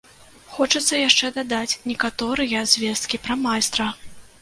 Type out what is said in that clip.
Хочацца яшчэ дадаць некаторыя звесткі пра майстра.